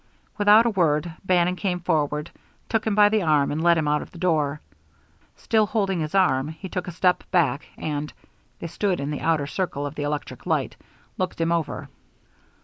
Without a word, Bannon came forward, took him by the arm, and led him out of the door. Still holding his arm, he took a step back, and (they stood in the outer circle of the electric light) looked him over.